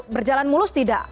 berjalan mulus tidak